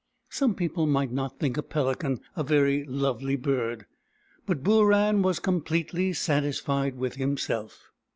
Some people might not think a pelican a very lovely bird, but Booran was completely satisfied with himself.